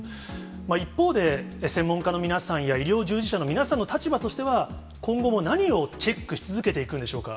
一方で、専門家の皆さんや医療従事者の皆さんの立場としては、今後も何をチェックし続けていくんでしょうか。